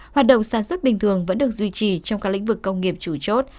hoạt động sản xuất bình thường vẫn được duy trì trong các lĩnh vực công nghiệp chủ chốt